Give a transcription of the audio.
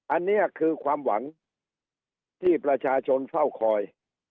อันนี้คือความหวังที่ประชาชนเฝ้าคอย